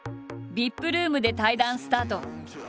ＶＩＰルームで対談スタート。